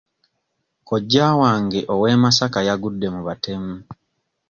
Kojja wange ow'e Masaka yagudde mu batemu.